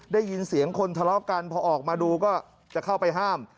ได้ยินเสียงคนทะเลาะกันพอออกมาดูก็จะเข้าไปห้าม